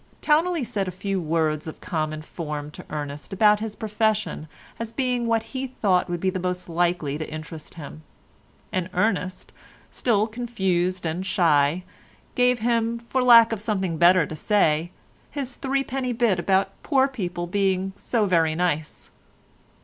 Towneley said a few words of common form to Ernest about his profession as being what he thought would be most likely to interest him, and Ernest, still confused and shy, gave him for lack of something better to say his little threepenny bit about poor people being so very nice.